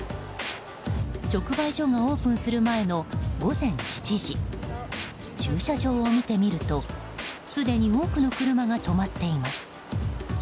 直売所がオープンする前の午前７時駐車場を見てみると、すでに多くの車が止まっています。